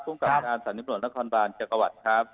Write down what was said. ภูมิกลับการสถานีตำรวจนครบานจักรวัตรครับ